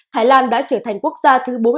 thái lan đã trở thành quốc gia thứ ba